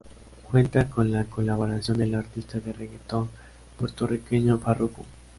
Cuenta con la colaboración del artista de reguetón puertorriqueño Farruko.